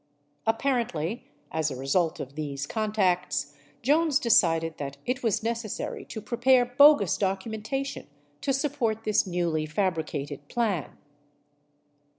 Apparently, as a result of these contacts, Jones decided that it was necessary to prepare bogus documentation to sup port this newly fabricated plan.